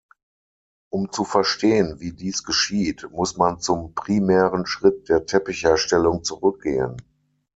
Um zu verstehen, wie dies geschieht, muss man zum primären Schritt der Teppichherstellung zurückgehen.